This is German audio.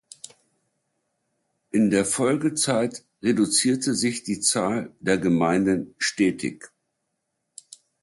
In der Folgezeit reduzierte sich die Zahl der Gemeinden stetig.